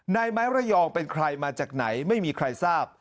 ไม้ระยองเป็นใครมาจากไหนไม่มีใครทราบ